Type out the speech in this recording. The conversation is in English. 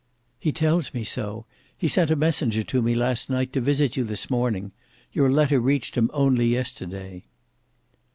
"He tells me so: he sent a messenger to me last night to visit you this morning. Your letter reached him only yesterday."